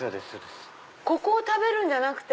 ここを食べるんじゃなくて。